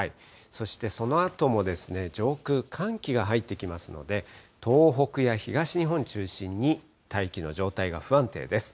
そして、そのあともですね、上空、寒気が入ってきますので、東北や東日本を中心に、大気の状態が不安定です。